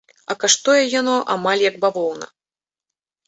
А каштуе яно амаль як бавоўна.